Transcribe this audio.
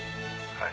「はい。